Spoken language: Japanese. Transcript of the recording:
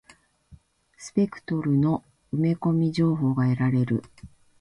スペクトルの埋め込み情報が得られる。